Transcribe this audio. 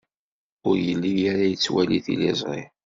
Ur yelli ara yettwali tiliẓri.